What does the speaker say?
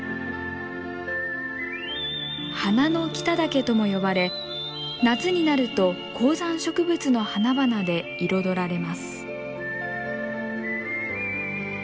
「花の北岳」とも呼ばれ夏になると高山植物の花々で彩られます。